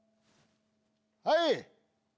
はい？